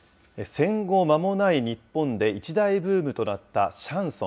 戦後間もない日本で、一大ブームとなったシャンソン。